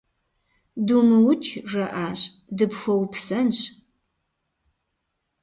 Думыукӏ, - жаӏащ,- дыпхуэупсэнщ.